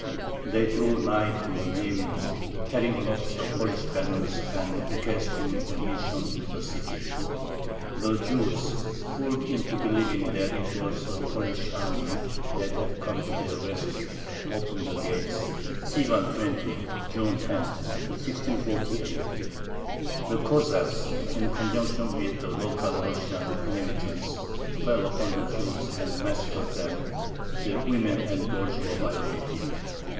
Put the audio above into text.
They drew nigh to Niemirov, carrying aloft the Polish banners and requesting admission into the city. The Jews, fooled into believing that it was a Polish army that had come to their rescue, opened the gates (Sivan 20 = June 10, 1648). The Cossacks, in conjunction with the local Russian inhabitants, fell upon the Jews and massacred them; the women and girls were violated.